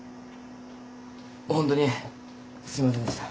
ホントにすいませんでした。